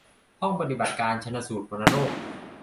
ห้องปฏิบัติการชันสูตรวัณโรค